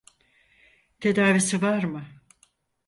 Tedavisi var mı?